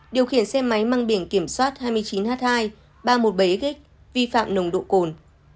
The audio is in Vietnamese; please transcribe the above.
điều khiển xe máy mang biển kiểm soát hai mươi chín h hai ba trăm một mươi bảy vi phạm nồng độ cồn